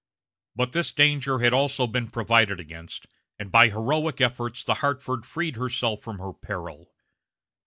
But this danger had also been provided against, and by heroic efforts the Hartford freed herself from her peril.